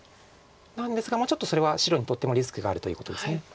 なんですがちょっとそれは白にとってもリスクがあるということです。